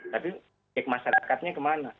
tapi cek masyarakatnya kemana